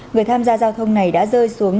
người tham gia giao thông này đã rơi xuống